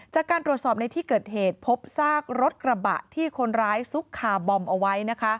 จากการตรวจสอบในที่เกิดเหตุพบซากรถกระบะที่คนร้ายซุกคาบอมเอาไว้นะคะ